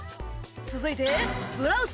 続いてブラウス！